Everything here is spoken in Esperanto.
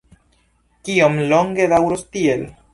Kiom longe daŭros tiel?